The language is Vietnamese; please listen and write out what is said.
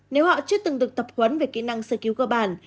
nếu họ chưa từng được tập huấn về kỹ năng sơ cứu cơ bản